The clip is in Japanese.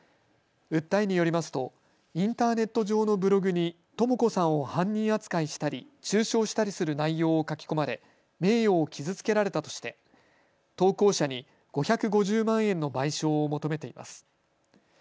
訴えによりますとインターネット上のブログにとも子さんを犯人扱いしたり中傷したりする内容を書き込まれ名誉を傷つけられたとして投稿者に５５０万円の賠償を求めています。